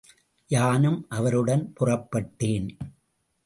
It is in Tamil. யானும் அவருடன் புறப்பட்டேன்.